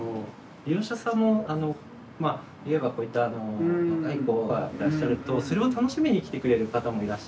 利用者さんもまあいわばこういった若い子がいらっしゃるとそれを楽しみに来てくれる方もいらっしゃるので。